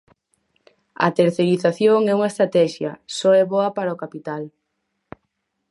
A terceirización é unha traxedia, só é boa para o capital.